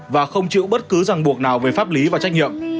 và không chịu bất cứ ràng buộc nào về pháp lý và trách nhiệm